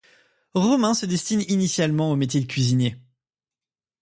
Romain se destine initialement au métier de cuisinier.